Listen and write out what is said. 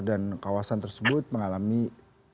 dan kawasan tersebut mengalami tanah